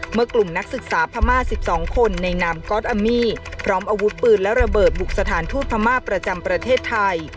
เมื่อกลุ่มนักศึกษาพม่า๑๒คนในนามก๊อตอามี่พร้อมอาวุธปืนและระเบิดบุกสถานทูตพม่าประจำประเทศไทย